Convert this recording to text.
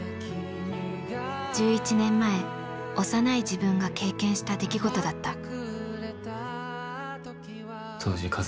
１１年前幼い自分が経験した出来事だった。